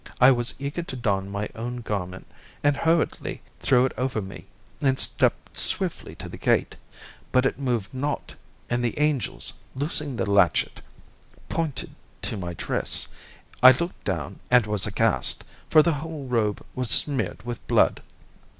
I was eager to don my own garment, and hurriedly threw it over me and stepped swiftly to the gate; but it moved not, and the angels, loosing the latchet, pointed to my dress, I looked down, and was aghast, for the whole robe was smeared with blood.